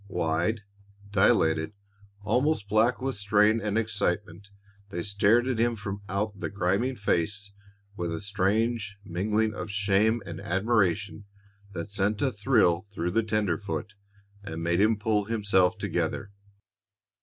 Wide, dilated, almost black with strain and excitement, they stared at him from out the grimy face with a strange mingling of shame and admiration that sent a thrill through the tenderfoot and made him pull himself together.